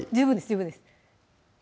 十分です